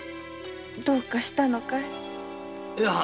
どうかしたのかい？